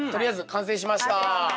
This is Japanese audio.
完成しました。